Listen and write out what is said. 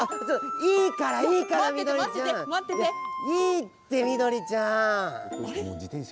いいから、いいからみどりちゃん。いいって、みどりちゃん。